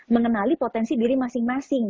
mengenali potensi diri masing masing